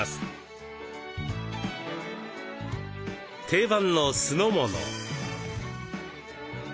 定番の酢の物。